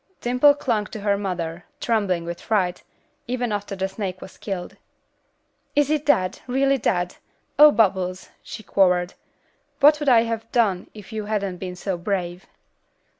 Dimple clung to her mother, trembling with fright, even after the snake was killed. "Is it dead, really dead? Oh, Bubbles!" she quavered. "What would I have done if you hadn't been so brave?"